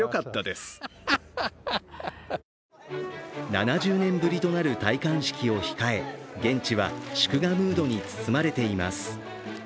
７０年ぶりとなる戴冠式を控え、現地は祝賀ムードに包まれています。